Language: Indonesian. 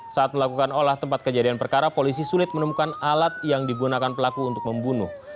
saat melakukan olah tempat kejadian perkara polisi sulit menemukan alat yang digunakan pelaku untuk membunuh